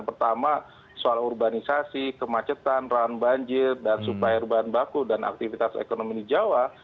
pertama soal urbanisasi kemacetan ran banjir dan supplier bahan baku dan aktivitas ekonomi di jawa